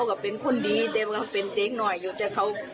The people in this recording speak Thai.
รู้ว่าอยากให้เขาได้ดีกว่าผู้นั้นล่ะ